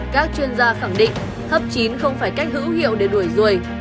các chuyên gia khẳng định thấp chín không phải cách hữu hiệu để đuổi ruồi